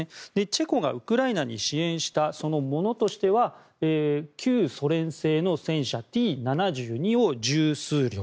チェコがウクライナに支援したものとしては旧ソ連製の戦車、Ｔ７２を１０数両